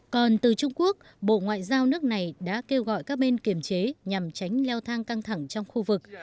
còn từ trung quốc bộ ngoại giao nước này đã kêu gọi các bên kiểm chế nhằm tránh leo thang căng thẳng trong khu vực